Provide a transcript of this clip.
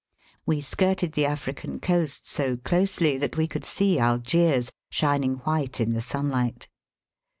We skirted the African coast so closely that we could see Algiers, shining white in the sun light.